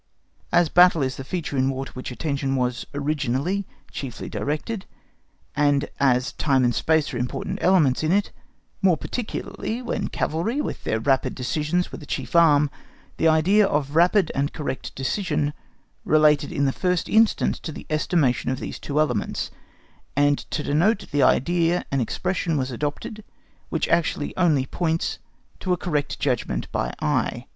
As the battle is the feature in War to which attention was originally chiefly directed, and as time and space are important elements in it, more particularly when cavalry with their rapid decisions were the chief arm, the idea of rapid and correct decision related in the first instance to the estimation of these two elements, and to denote the idea an expression was adopted which actually only points to a correct judgment by eye.